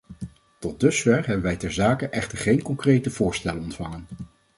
Tot dusver hebben wij ter zake echter geen concrete voorstellen ontvangen.